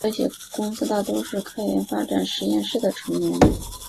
这些公司大多也是开源发展实验室的成员。